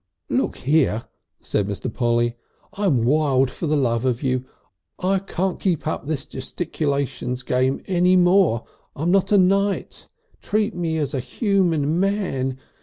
"Look here," said Mr. Polly, "I'm wild for the love of you! I can't keep up this gesticulations game any more! I'm not a Knight. Treat me as a human man.